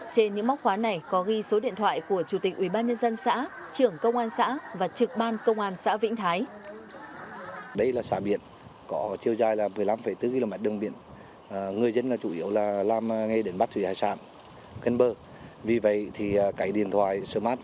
trên những móc khóa này có ghi số điện thoại của chủ tịch ubnd xã